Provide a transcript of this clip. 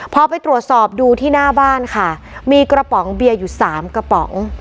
พอไปตรวจสอบดูที่หน้าบ้านค่ะมีกระป๋องเบียร์อยู่สามกระป๋อง